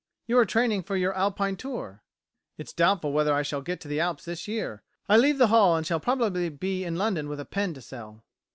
"You are training for your Alpine tour?" "It's doubtful whether I shall get to the Alps this year. I leave the Hall, and shall probably be in London with a pen to sell."